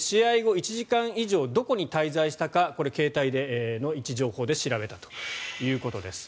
１時間以上どこに滞在したかこれ、携帯の位置情報で調べたということです。